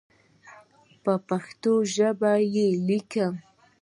په پښتو ژبه یې لیکم.